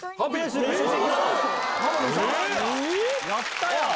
やったやん！